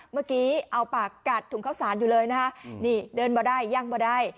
เมื่อกี้เอาปากกัดถุงข้าวสารอยู่เลยนะคะนี่เดินบ่ได้ย่างบ่ได้